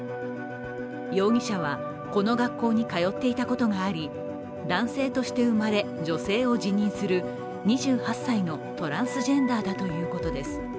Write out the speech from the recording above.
容疑者はこの学校に通っていたことがあり、男性として生まれ、女性を自認する２８歳のトランスジェンダーだということです。